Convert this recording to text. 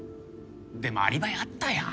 でもアリバイあったやん。